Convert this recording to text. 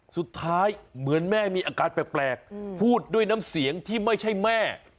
สุดท้ายเหมือนแม่มีอาการแปลกพูดด้วยน้ำเสียงที่ไม่ใช่แม่